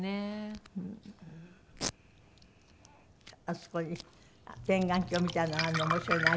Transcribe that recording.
あそこに天眼鏡みたいなのがあるの面白いね。